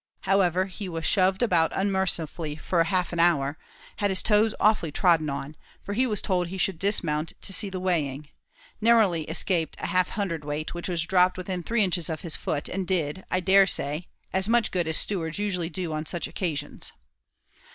However, he was shoved about unmercifully for half an hour had his toes awfully trodden on, for he was told he should dismount to see the weighing narrowly escaped a half hundredweight, which was dropped within three inches of his foot, and did, I daresay, as much good as stewards usually do on such occasions.